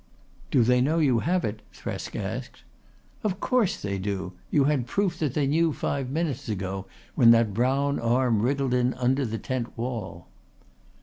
"Do they know you have it?" Thresk asked. "Of course they do. You had proof that they knew five minutes ago when that brown arm wriggled in under the tent wall."